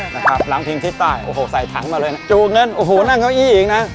หลังพิงทิศใต้โอ้โหใส่ถังมาเลยนะจูงเงินโอ้โหนั่งเก้าอี้อีกนะ